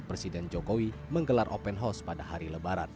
presiden jokowi menggelar open house pada hari lebaran